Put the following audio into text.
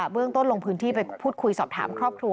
เรื่องต้นลงพื้นที่ไปพูดคุยสอบถามครอบครัว